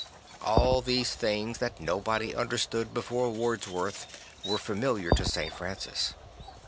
All those things that no bod y understood before Wordsworth were familiar to St. Francis.